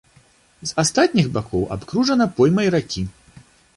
З астатніх бакоў абкружана поймай ракі.